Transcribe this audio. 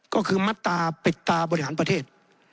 ก็คือมัตราปิดตาบริหารประเทศ